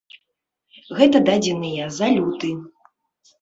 Гэта дадзеныя за люты.